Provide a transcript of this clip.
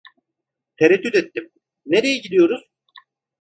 Tereddüt ettim: "Nereye gidiyoruz?"